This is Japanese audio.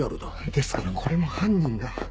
ですからこれも犯人が。